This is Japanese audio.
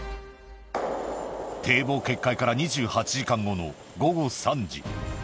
堤防決壊から２８時間後の午後３時。